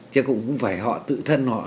chứ cũng phải họ tự thân